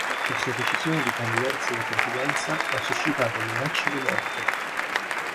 La sua decisione di candidarsi alla presidenza ha suscitato minacce di morte.